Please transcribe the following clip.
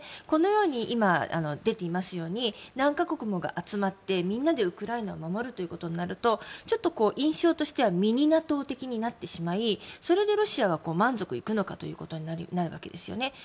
このように今、出ていますように何か国もが集まってみんなでウクライナを守るということになるとちょっと印象としてはミニＮＡＴＯ的になってしまいそれでロシアは満足いくのかということになるわけですよね。